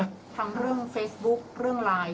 อะไรดูภาสบุ๊คเล่นไลน์